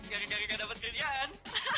gari garinya dapat kerjaan